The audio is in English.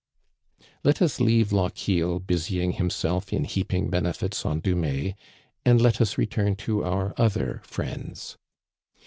Let us leave Lochiel busying himself in heaping benefits on Dumais, and let us return to our other friends.